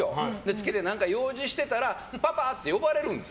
つけて、何か用事してたらパパ！って呼ばれるんです。